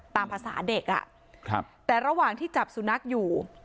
ตามภาษาเด็กแต่ระหว่างที่จับสุนัขอยู่